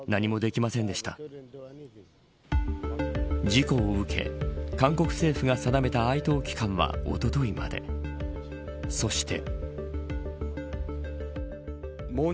事故を受け、韓国政府が定めた哀悼期間は、おとといまでそして。